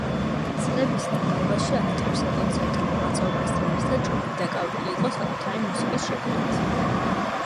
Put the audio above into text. წლების განმავლობაში აქტიურ საკონცერტო მოღვაწეობასთან ერთად ჯგუფი დაკავებული იყო საკუთარი მუსიკის შექმნით.